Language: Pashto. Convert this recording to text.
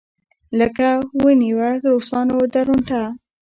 لکه ونېوه روسانو درونټه.